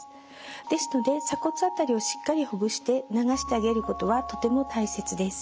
ですので鎖骨辺りをしっかりほぐして流してあげることはとても大切です。